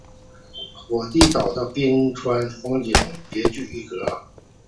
火地岛的冰川风光别具一格。